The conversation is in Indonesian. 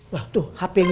wah tuh hp lu bunyi